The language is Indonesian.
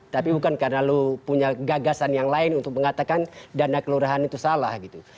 tapi bukan karena lo punya gagasan yang lain untuk mengatakan dana kelurahan itu salah gitu